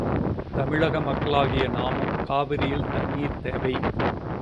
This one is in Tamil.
தமிழக மக்களாகிய நாமும் காவிரியில் தண்ணீர் தேவை!